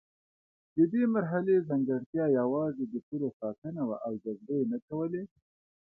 د دې مرحلې ځانګړتیا یوازې د پولو ساتنه وه او جګړې یې نه کولې.